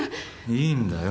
いいんだよ。